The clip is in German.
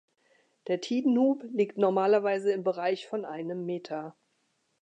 Der Tidenhub liegt normalerweise im Bereich von einem Meter.